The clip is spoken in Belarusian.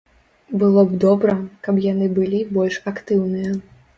Было б добра, каб яны былі больш актыўныя.